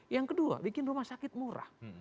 yang kedua bikin rumah sakit murah